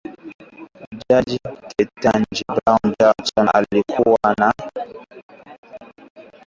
Jaji Ketanji Brown Jackson, alikabiliwa na maswali kwa saa kadhaa kutoka kwa wanachama wa kamati ya sheria ikizingatia kila kitu.